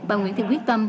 bà nguyễn thiên quyết tâm